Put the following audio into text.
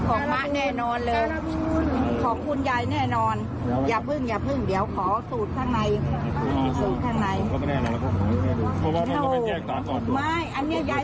โอ้โหของมะแน่นอนเลย